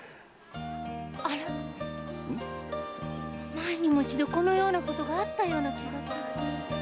前にも一度このようなことがあったような気がする。